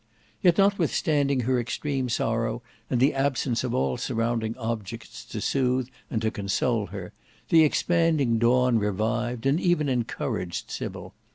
Yet notwithstanding her extreme sorrow, and the absence of all surrounding objects to soothe and to console her, the expanding dawn revived and even encouraged Sybil.